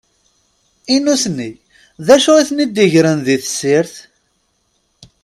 I nutni, d acu i ten-id-igren di tessirt?